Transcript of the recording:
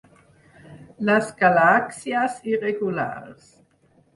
Les galàxies irregulars.